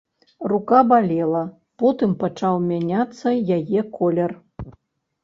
Рука балела, потым пачаў мяняцца яе колер.